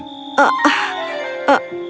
terima kasih tuan yang baik hati